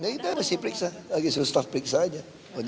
kita masih periksa lagi seluruh staf periksa saja